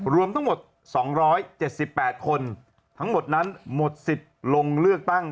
รวมทั้งหมด๒๗๘คนทั้งหมดนั้นหมดสิทธิ์ลงเลือกตั้ง